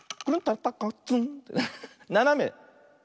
ななめ。